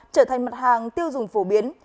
trở thành mặt hàng tiêu dùng phổ biến